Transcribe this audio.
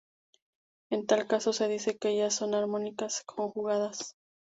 En tal caso se dice que ellas son armónicas conjugadas.